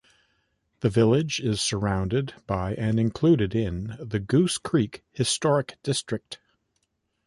The village is surrounded by and included in the Goose Creek Historic District.